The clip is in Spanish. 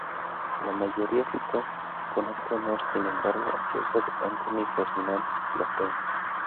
La mayoría citó con este honor sin embargo, es Joseph Antoine Ferdinand Plateau.